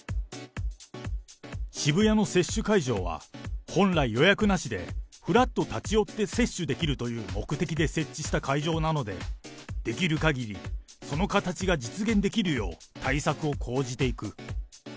渋谷の接種会場は、本来予約なしで、ふらっと立ち寄って接種できるという目的で設置した会場なので、できるかぎり、その形が実現できるよう対策を講じていく。